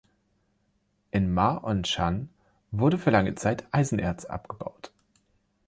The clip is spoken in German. In Ma On Shan wurde für lange Zeit Eisenerz abgebaut.